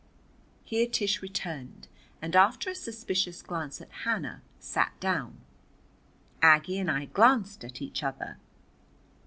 Here Tish returned and, after a suspicious glance at Hannah, sat down. Aggie and I glanced at each other.